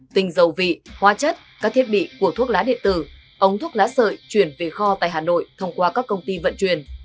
tinh dầu vị hoa chất các thiết bị của thuốc lá điện tử ống thuốc lá sợi chuyển về kho tại hà nội thông qua các công ty vận chuyển